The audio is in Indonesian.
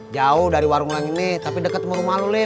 jauh dari warung langit nih tapi deket sama rumah lu lim